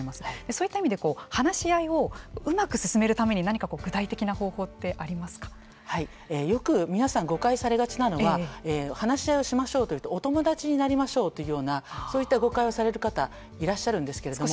そういった意味で話し合いをうまく進めるために何か具体的な方法ってよく皆さん誤解されがちなのは話し合いをしましょうというとお友達になりましょうというようなそういった誤解をされる方いらっしゃるんですけれども。